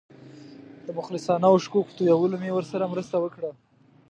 د مخلصانه اوښکو په تویولو مې ورسره مرسته وکړه.